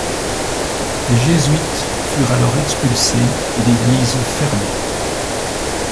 Les jésuites furent alors expulsés et l’église fermée.